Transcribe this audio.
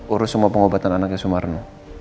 urus semua pengobatan anaknya sumarno